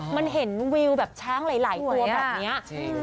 มันเห็นวิวแบบช้างหลายตัวแบบนี้